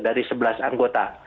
dari sebelas anggota